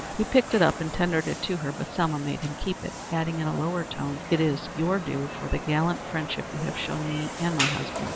He picked it up and tendered it to her, but Selma made him keep it, adding in a lower tone, "It is your due for the gallant friendship you have shown me and my husband."